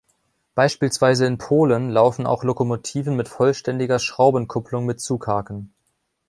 Beispielsweise in Polen laufen auch Lokomotiven mit vollständiger Schraubenkupplung mit Zughaken.